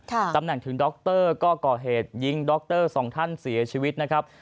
ตำแหน่งถึงดรก็ก่อเหตุยิงดรสองท่านเสียชีวิตนะครับ